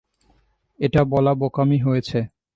এটা বলা বোকামি হয়েছে।